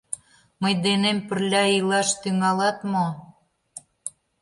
Мый денем пырля илаш тӱҥалат мо?